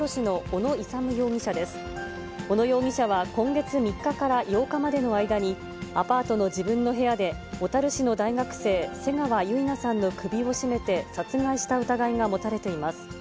小野容疑者は今月３日から８日までの間に、アパートの自分の部屋で、小樽市の大学生、瀬川結菜さんの首を絞めて殺害した疑いが持たれています。